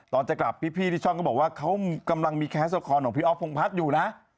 จะกลับพี่ที่ช่องก็บอกว่าเขากำลังมีแคสละครของพี่อ๊อฟพงพัฒน์อยู่นะ